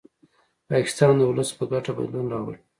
د پاکستان د ولس په ګټه بدلون راولي